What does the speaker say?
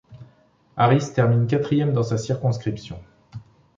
Harris termine quatrième dans sa circonscription.